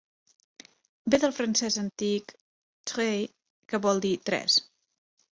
Ve del francès antic "treis", que vol dir tres.